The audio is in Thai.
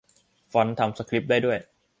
ฟอนต์ทำสคริปต์ได้ด้วย !